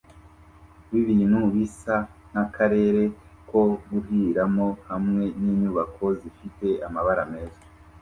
wibintu bisa nkakarere ko guhahiramo hamwe ninyubako zifite amabara meza